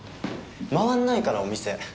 まわんないからお店。